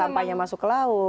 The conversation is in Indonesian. kalau sampahnya masuk ke laut